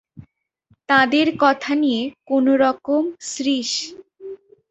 তাঁদের কথা নিয়ে কোনোরকম– শ্রীশ।